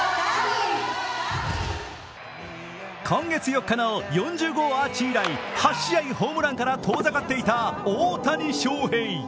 今月４日の４０号アーチ以来、８試合ホームランから遠ざかっていた大谷翔平。